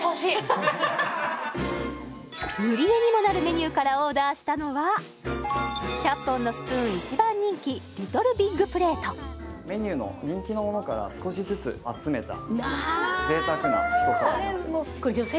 ぬり絵にもなるメニューからオーダーしたのは１００本のスプーン一番人気メニューの人気のものから少しずつ集めた贅沢な一皿になってます